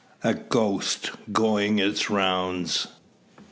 A GHOST GOING ITS ROUNDS.